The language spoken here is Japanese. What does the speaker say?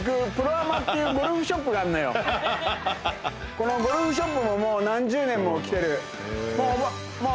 このゴルフショップも何十年も来てる。